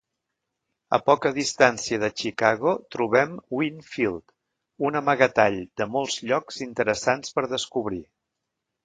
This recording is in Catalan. A poca distància de Chicago trobem Winfield, un amagatall de molts llocs interessants per descobrir.